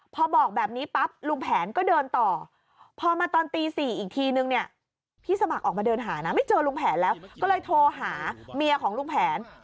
พอบอกแบบนี้ปั๊บลุงแผนก็เดินต่อพอมาตอนตี๔อีกทีนึงเนี่ยพี่สมัครออกมาเดินหานะไม่เจอลุงแผนแล้วก็เลยโทรหาเมียของลุงแผน